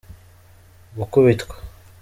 gukubitwa.